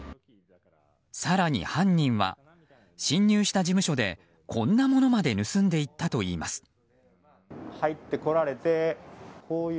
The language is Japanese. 更に犯人は侵入した事務所でこんなものまで盗んでいったといいます。